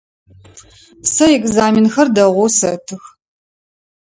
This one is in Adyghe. Сэ экзаменхэр дэгъоу сэтых.